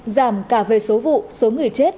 giảm cả về số vụ số người chết